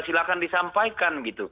silahkan disampaikan gitu